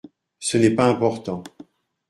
Ce n’est pas important.